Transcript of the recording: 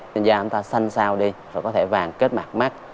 da chúng ta xanh xao đi rồi có thể vàng kết mặt mắt